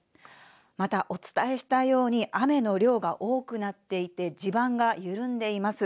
またお伝えしたように雨の量が多くなっていて地盤が緩んでいます。